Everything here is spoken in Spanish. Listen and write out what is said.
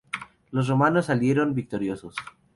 Los romanos salieron victoriosos.